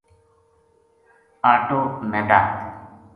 اَٹو میدا